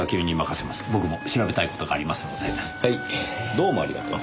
どうもありがとう。